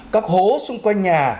các hố xung quanh nhà